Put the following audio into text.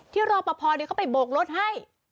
รอปภเขาไปโบกรถให้